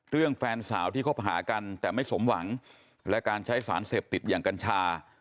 แฟนสาวที่คบหากันแต่ไม่สมหวังและการใช้สารเสพติดอย่างกัญชา